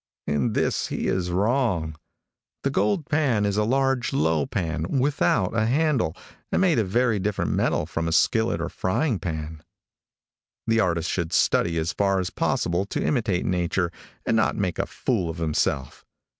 In this he is wrong. The gold pan is a large low pan without a handle and made of very different metal from a skillet or frying pan. The artist should study as far as possible to imitate nature and not make a fool of himself.